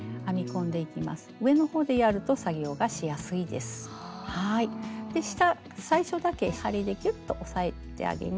で下最初だけ針でキュッと押さえてあげます。